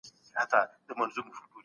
په باران کي ځان لوندول ښه نه دی.